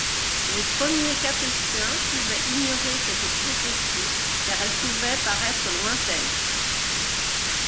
Les premiers Capétiens pouvaient ignorer cette prophétie car elle pouvait paraître lointaine.